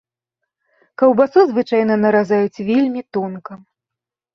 Каўбасу звычайна наразаюць вельмі тонка.